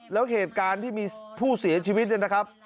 แล้วเหตุการณ์ที่มีผู้เสียชีวิตเนี่ยนะครับ